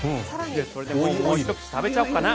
それではもうひと口食べちゃおうかな。